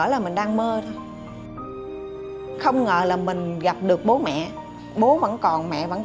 tất cả những người thân trong gia đình đã đều tới giải thích mở cửa cho gia đình